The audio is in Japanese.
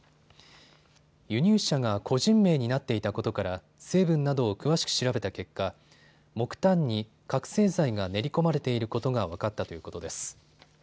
輸入者が個人名になっていたことから成分などを詳しく調べた結果、木炭に覚醒剤が練り込まれていることが分かったということです。